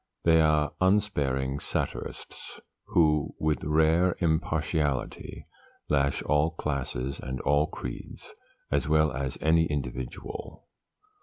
They are unsparing satirists, who, with rare impartiality, lash all classes and all creeds, as well as any individual.